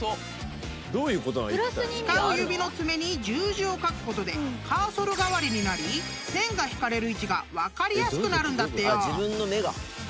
［使う指の爪に十字を書くことでカーソル代わりになり線が引かれる位置が分かりやすくなるんだってよ］